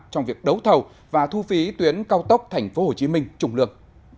trong việc đấu thầu và thu phí tuyến cao tốc tp hcm trùng lược